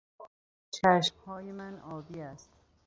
چشمهای من آبی است.